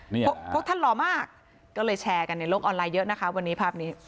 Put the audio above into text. เพราะท่านหล่อมากก็เลยแชร์กันในโลกออนไลน์เยอะนะคะวันนี้ภาพนี้